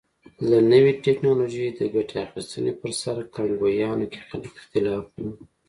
له نوې ټکنالوژۍ د ګټې اخیستنې پر سر کانګویانو کې اختلاف و.